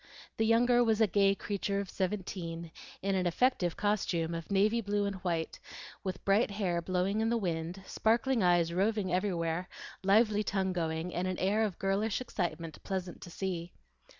The younger was a gay creature of seventeen, in an effective costume of navy blue and white, with bright hair blowing in the wind, sparkling eyes roving everywhere, lively tongue going, and an air of girlish excitement pleasant to see.